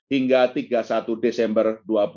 hingga tiga puluh satu desember dua ribu dua puluh